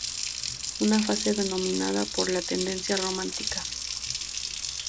Una fase dominada por la tendencia romántica.